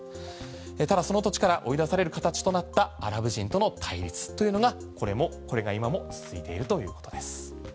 ただ、その土地から追い出される形となったアラブ人との対立というのがこれが今も続いているということです。